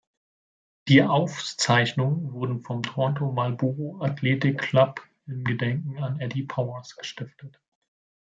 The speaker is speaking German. Die Auszeichnung wurde vom Toronto Marlboro Athletic Club im Gedenken an Eddie Powers gestiftet.